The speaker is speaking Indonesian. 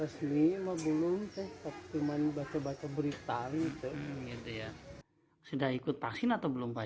sudah ikut vaksin atau belum pak